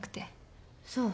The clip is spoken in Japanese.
そう。